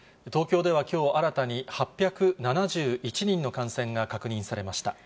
東京ではきょう、新たに８７１人の感染が確認されました。